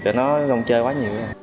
để nó không chơi quá nhiều